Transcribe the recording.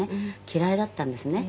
嫌いだったんですね」